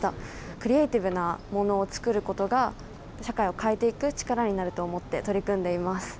クリエイティブなものを作ることが、社会を変えていく力になると思って取り組んでいます。